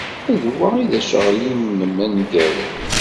D wa ay d acaɣli-nnem aneggaru.